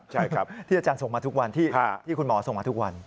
ใช่ครับที่อาจารย์ส่งมาทุกวันที่คุณหมอส่งมาทุกวัน